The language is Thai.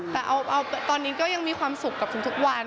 แต่ตอนนี้ก็ยังมีความสุขกับทุกวัน